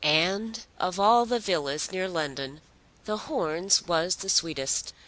And of all villas near London The Horns was the sweetest.